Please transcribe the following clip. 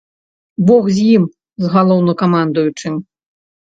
Бог з ім, з галоўнакамандуючым.